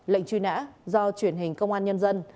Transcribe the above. lệnh truy nã do truyền hình công an nhân dân